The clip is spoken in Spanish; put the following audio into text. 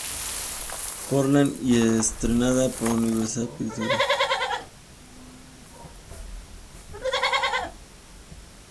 Pollard y estrenada por Universal Pictures.